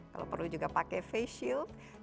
kalau perlu juga pakai face shield